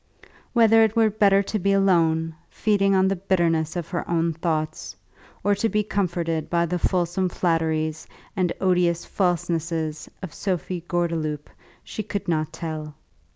Whether it were better to be alone, feeding on the bitterness of her own thoughts, or to be comforted by the fulsome flatteries and odious falsenesses of Sophie Gordeloup, she could not tell.